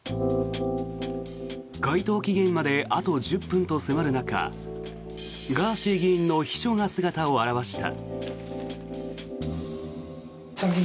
回答期限まであと１０分と迫る中ガーシー議員の秘書が姿を現した。